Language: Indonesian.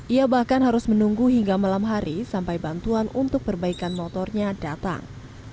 ia bahkan harus menunggu hingga malam hari sampai bantuan untuk perbaikan motornya datang